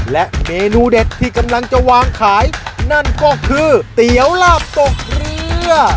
และเมนูเด็ดที่กำลังจะวางขายนั่นก็คือเตี๋ยวลาบตกเรือ